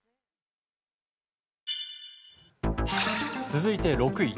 続いて６位。